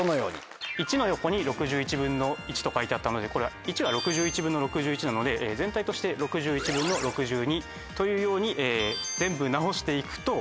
１の横に１／６１と書いてあったので１は６１／６１なので全体として６２／６１。というように全部直していくと。